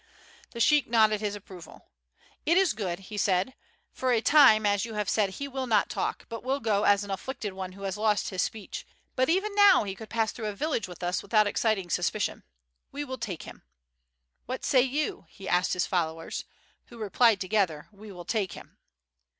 The sheik nodded his approval. "It is good," he said. "For a time, as you have said, he will not talk, but will go as an afflicted one who has lost his speech, but even now he could pass through a village with us without exciting suspicion. We will take him. What say you?" he asked his followers, who replied together, "We will take him."